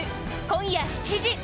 今夜７時。